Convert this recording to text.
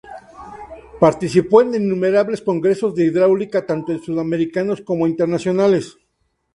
Participó en innumerables Congresos de Hidráulica, tanto Sudamericanos como internacionales.